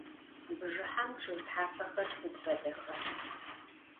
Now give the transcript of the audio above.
Bjjıhem ççıg thapexer sıd fedexa?